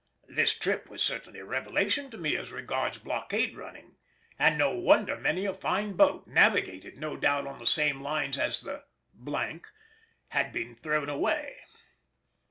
This trip was certainly a revelation to me as regards blockade running, and no wonder many a fine boat, navigated, no doubt, on the same lines as the —— had been thrown away.